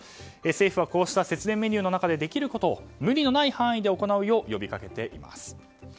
政府はこうした節電メニューの中でできることを無理のない範囲で行うよう呼びかけています。